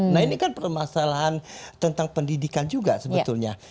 nah ini kan permasalahan tentang pendidikan juga sebetulnya